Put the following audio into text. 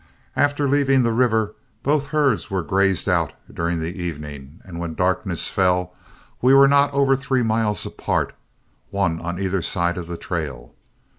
After leaving the river, both herds were grazed out during the evening, and when darkness fell we were not over three miles apart, one on either side of the trail.